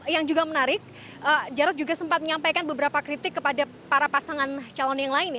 yang juga menarik jarod juga sempat menyampaikan beberapa kritik kepada para pasangan calon yang lain